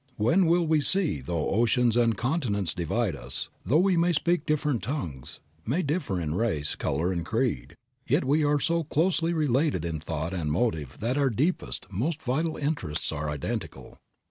When will we see that though oceans and continents divide us, though we may speak different tongues, may differ in race, color and creed, yet we are so closely related in thought and motive that our deepest, most vital interests are identical.